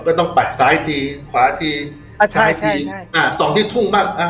ก็ต้องปัดซ้ายทีขวาทีอ่าซ้ายทีใช่อ่าส่องที่ทุ่งบ้างอ่า